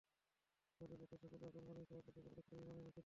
জাদুকরদের সকলে এবং বনী ইসরাঈলদের সকল গোত্রই ঈমান এনেছিল।